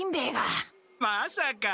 まさか！